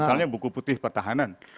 soalnya buku putih pertahanan